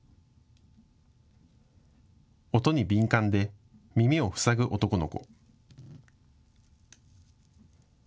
音に敏感で耳を塞ぐ男の子。